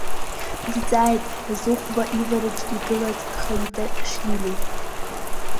Дҵааит, Зыхәба ивараҿы игылаз Хариташвили.